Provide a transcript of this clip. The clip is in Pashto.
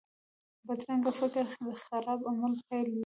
بدرنګه فکر د خراب عمل پیل وي